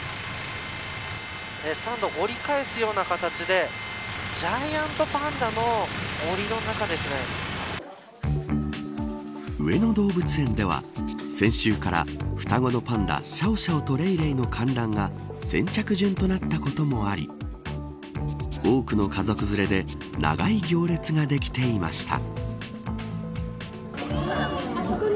３度、折り返すような形でジャイアントパンダの上野動物園では先週から、双子のパンダシャオシャオとレイレイの観覧が先着順となったこともあり多くの家族連れで長い行列ができていました。